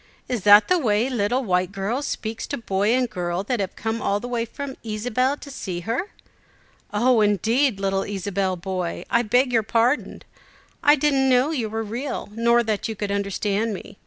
"Is that the way little white girl speaks to boy and girl that have come all the way from Ysabel to see her?" "Oh, indeed! little Ysabel boy, I beg your pardon. I didn't know you were real, nor that you could understand me!